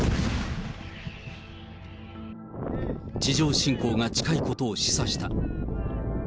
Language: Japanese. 地上侵攻が近いことを示唆した。